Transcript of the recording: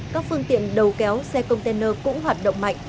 các phương tiện đầu kéo xe container cũng hoạt động mạnh